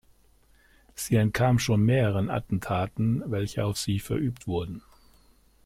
Sie entkam schon mehreren Attentaten, welche auf sie verübt wurden.